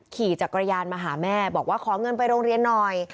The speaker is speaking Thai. ขี่จักรยานมาหาแม่บอกว่าขอเงินไปโรงเรียนหน่อย